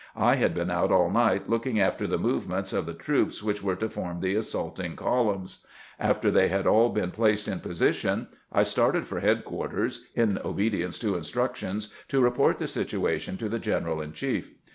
I had been out all night looking after the movements of the troops which were to form the assaulting columns. After they had all been placed in position I started PBEPAEING TO ATTACK THE " ANGLE" 101 for headquarters, in obedience to instructions, to report the situation to the general in chief